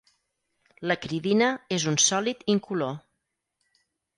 L'acridina és un sòlid incolor.